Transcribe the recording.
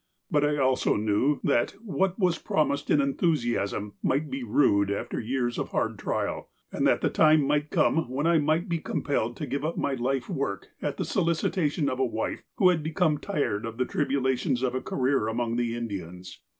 But I also knew, that what was promised in enthusiasm might be rued after years of hard trial, and that the time might come when I might be compelled to give up my life work at the solicitation of a wife who had become tired of the tribulations of a career among the Indians.